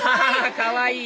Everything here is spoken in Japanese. かわいい！